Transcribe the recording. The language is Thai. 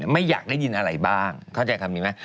ไม่อยากได้ยินอะไรบ้างเข้าใจคำนี้ไหม